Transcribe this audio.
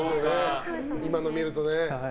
今の見るとね。